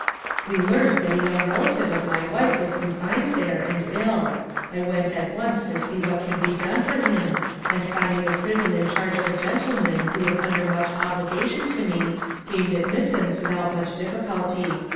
"We learned that a young relative of my wife was confined there, and ill. I went at once to see what could be done for him, and finding the prison in charge of a gentleman who was under much obligation to me, gained admittance without much difficulty.